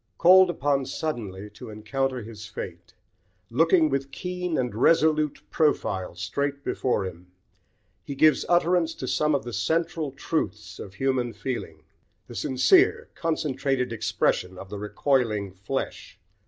Called upon suddenly to encounter his fate, looking with keen and resolute profile straight before him, he gives utterance to some of the central truths of human feeling, the sincere, concentrated expression of the recoiling flesh.